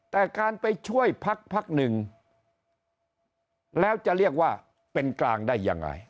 แต่การไปช่วยพักหนึ่งแล้วจะเรียกว่าเป็นกลางได้ยังไง